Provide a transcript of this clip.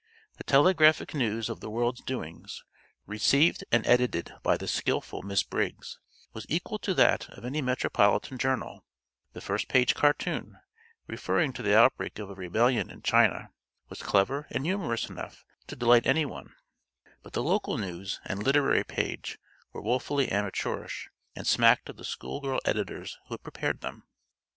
The telegraphic news of the world's doings, received and edited by the skillful Miss Briggs, was equal to that of any metropolitan journal; the first page cartoon, referring to the outbreak of a rebellion in China, was clever and humorous enough to delight anyone; but the local news and "literary page" were woefully amateurish and smacked of the schoolgirl editors who had prepared them.